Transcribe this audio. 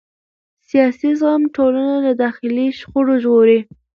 سیاسي زغم ټولنه له داخلي شخړو ژغوري